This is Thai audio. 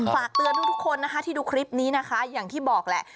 ฝากเตือนทุกคนนะคะที่ดูคลิปนี้นะคะอย่างที่บอกแหละ